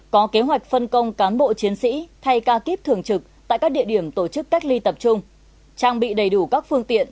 có kế hoạch phân công cán bộ chiến sĩ thay ca kiếp thường trực tại các địa điểm tổ chức cách ly tập trung trang bị đầy đủ các phương tiện